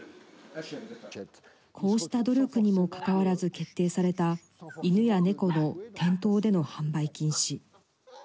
こうした努力にも関わらず決定された犬や猫の店頭での販売禁止。